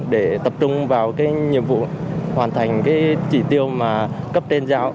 để tập trung vào nhiệm vụ hoàn thành chỉ tiêu cấp tên giáo